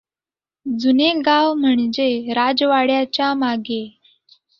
जुने गाव म्हणजे राजवाड्याच्या मागे.